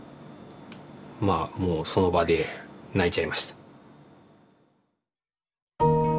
まあもうその場で泣いちゃいました。